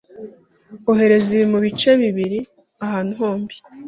ohereza ibi mubice bibiri ahantu hombi.